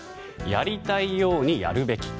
「やりたいようにやるべき」。